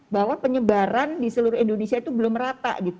bahwa penyebaran di seluruh indonesia itu belum merata gitu